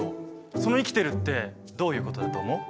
その生きてるってどういうことだと思う？